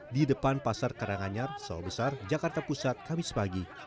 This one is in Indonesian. di depan pasar karanganyar sawah besar jakarta pusat kamis pagi